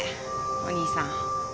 お兄さん。